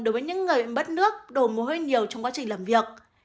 đối với những người mất nước đổ mồ hôi nhiều trong quá trình làm việc